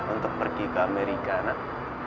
untuk pergi ke amerika nak